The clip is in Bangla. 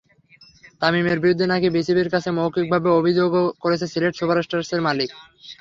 তামিমের বিরুদ্ধে নাকি বিসিবির কাছে মৌখিকভাবে অভিযোগও করেছে সিলেট সুপারস্টারসের মালিকপক্ষ।